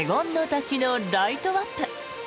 滝のライトアップ。